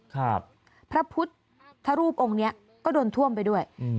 พระพุทธรูปองค์เนี้ยก็โดนท่วมไปด้วยอืม